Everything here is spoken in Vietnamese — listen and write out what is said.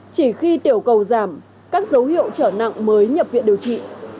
chỉ khi tiểu cầu giảm các dấu hiệu trở nặng mới nhập viện điều trị